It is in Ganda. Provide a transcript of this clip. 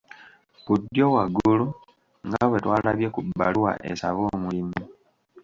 Ku ddyo waggulu nga bwe twalabye ku bbaluwa esaba omulimu.